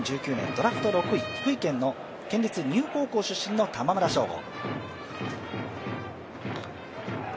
ドラフト６位、福井県立丹生高校出身の玉村昇悟。